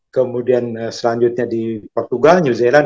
kemudian selanjutnya di portugal new zealand